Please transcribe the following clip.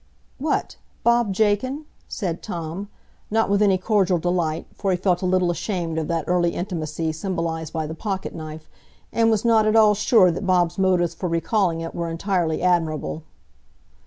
"What! Bob Jakin?" said Tom, not with any cordial delight, for he felt a little ashamed of that early intimacy symbolised by the pocket knife, and was not at all sure that Bob's motives for recalling it were entirely admirable.